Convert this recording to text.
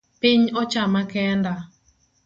Piny ochama kenda